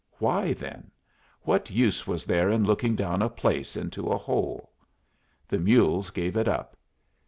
Why, then? What use was there in looking down a place into a hole? The mules gave it up.